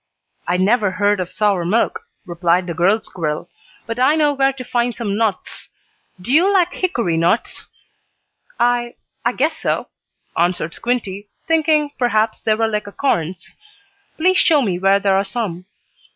"I never heard of sour milk," replied the girl squirrel. "But I know where to find some nuts. Do you like hickory nuts?" "I I guess so," answered Squinty, thinking, perhaps, they were like acorns. "Please show me where there are some."